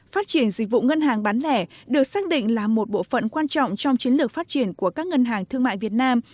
phát triển dịch vụ ngân hàng bán lẻ được xác định là một bộ phận quan trọng trong chiến lược phát triển của các ngân hàng thương mại việt nam